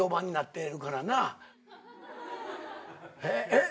えっ？